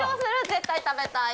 絶対食べたい。